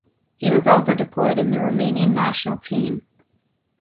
He was also deployed in the Romanian national team.